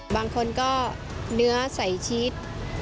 บางคนก็เนื้อใส่ชีส